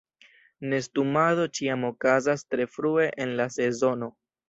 Nestumado ĉiam okazas tre frue en la sezono.